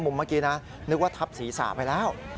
เมื่อกี้นะนึกว่าทับศีรษะไปแล้ว